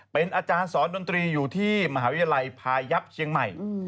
เป็นอาจารย์สอนดนตรีอยู่ที่มหาวิทยาลัยพายับเชียงใหม่